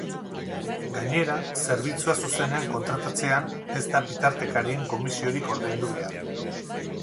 Gainera, zerbitzua zuzenean kontratatzean, ez da bitartekarien komisiorik ordaindu behar.